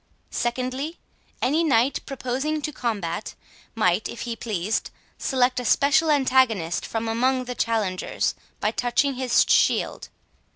Secondly, any knight proposing to combat, might, if he pleased, select a special antagonist from among the challengers, by touching his shield.